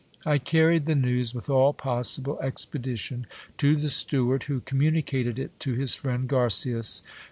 I carried the news with all possible expedition to the steward, who communicated it to his friend Garcias.